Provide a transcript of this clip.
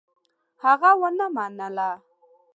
هغه ونه منله.